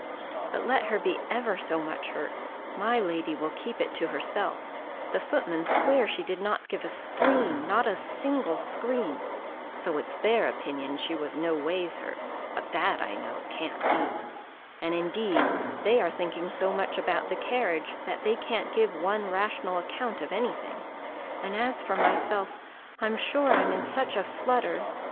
"But let her be ever so much hurt, my lady will keep it to herself: the footmen swear she did not give a scream, not a single scream; so it's their opinion she was no ways hurt but that, I know, can't be and, indeed, they are thinking so much about the carriage, that they can't give one any rational account of any thing; and, as for myself, I'm sure I'm in such a flutter.